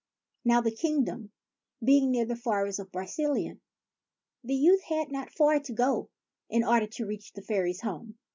Now, the kingdom being near the forest of Broceliande, the youth had not far to go in order to reach the fairies' home.